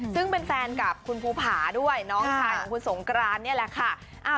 ซึ่งเป็นแฟนกับคุณภูผาด้วยน้องชายของคุณสงกรานนี่แหละค่ะ